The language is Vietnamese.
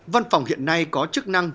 văn phòng hiện nay có chức năng